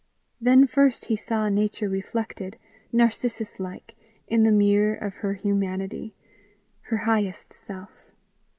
Then first he saw nature reflected, Narcissus like, in the mirror of her humanity, her highest self.